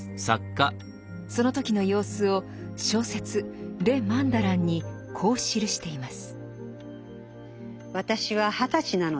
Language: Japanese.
その時の様子を小説「レ・マンダラン」にこう記しています。